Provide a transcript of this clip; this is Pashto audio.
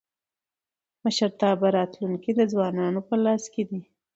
د مشرتابه راتلونکی د ځوانانو په لاس کي دی.